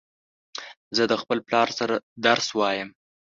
زه د خپل پلار سره درس وایم